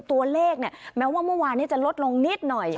ตัวเลขเนี่ยแม้ว่าเมื่อวานนี้จะลดลงนิดหน่อย